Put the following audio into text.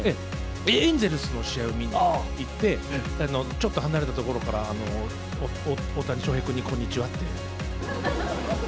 エンゼルスの試合を見に行って、ちょっと離れた所から、大谷翔平君にこんにちはって。